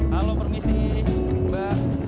halo permisi mbak